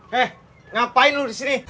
hei ngapain lu disini